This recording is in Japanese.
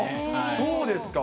そうですか。